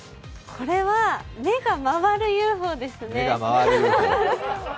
これは目が回るＵＦＯですね